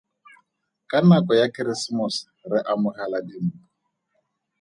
Ka nako ya Keresemose re amogela dimpho.